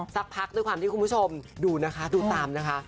สักพักด้วยความที่คุณผู้ชมดูนะคะดูตามนะคะ